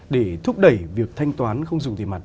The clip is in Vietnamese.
để thúc đẩy việc thanh toán không dùng tiền mặt